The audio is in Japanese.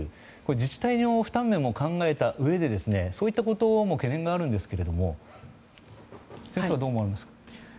自治体の負担面を考えたうえでそういったことにも懸念があるんですが先生はどう思われますか？